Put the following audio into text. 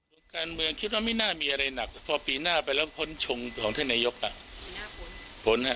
สูญกันเมืองไม่น่ามีอะไรหนักพอปีหน้าไปแล้วพ้นชงของท่านนายกฟ้นฮะ